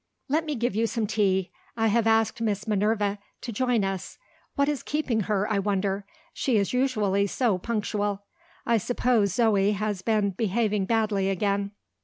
Let me give you some tea. I have asked Miss Minerva to join us. What is keeping her, I wonder? She is usually so punctual. I suppose Zoe has been behaving badly again."